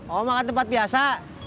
oh makan tempat biasa